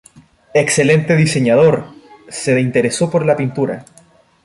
Excelente diseñador, se interesó por la pintura.